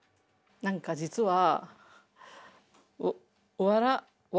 何か実は笑